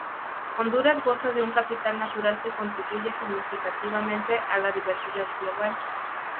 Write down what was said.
Honduras goza de un capital natural que contribuye significativamente a la diversidad global.